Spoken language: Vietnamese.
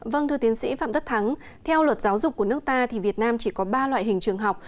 vâng thưa tiến sĩ phạm tất thắng theo luật giáo dục của nước ta thì việt nam chỉ có ba loại hình trường học